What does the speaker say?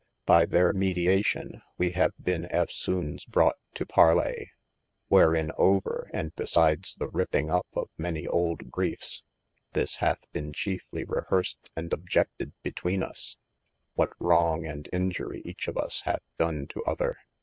By their mediation we have bene eftsoones brought to Parlee, wherein over and be sides the ripping up of many olde griefes, this hath bene cheifly rehearsed & objected betwene us, what wrong and injury eche of us hath done to other.